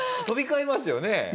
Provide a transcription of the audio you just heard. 飛び交いますよね。